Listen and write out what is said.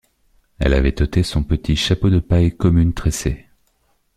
Elle avait ôté son petit chapeau de paille commune tressée.